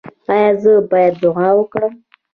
ایا زه باید دعا وکړم؟